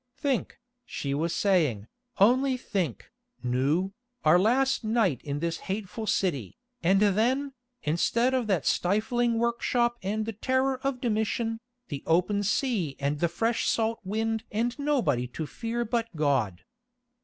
"Think," she was saying, "only think, Nou, our last night in this hateful city, and then, instead of that stifling workshop and the terror of Domitian, the open sea and the fresh salt wind and nobody to fear but God.